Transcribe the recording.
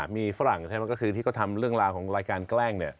มีฝรั่งใช่ไหมก็คือที่เขาทำเรื่องราวของรายการแกล้ง